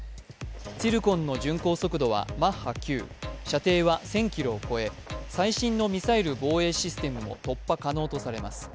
ツィルコンの巡航速度はマッハ９、射程は１０００ｋｍを超え、最新のミサイル防衛システムも突破可能とされます。